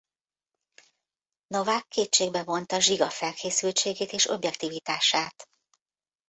Novak kétségbe vonta Zsiga felkészültségét és objektivitását.